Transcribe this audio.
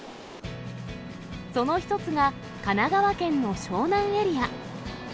その一つが、神奈川県の湘南エリア。